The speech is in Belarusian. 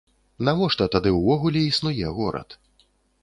Навошта тады ўвогуле існуе горад?